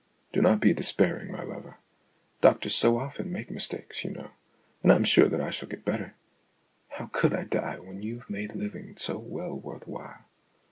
Do not be despairing, my lover ; doctors so often make mistakes, you know, and I am sure that I shall get better. How could I die when you've made living so well worth while?